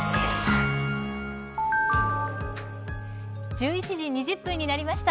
１１時２０分になりました。